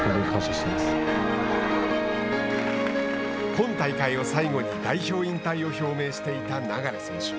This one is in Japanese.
今大会を最後に代表引退を表明していた流選手。